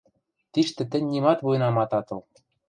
Тиштӹ тӹнь нимат вуйнамат ат ыл.